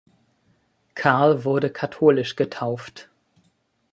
Karl wurde katholisch getauft.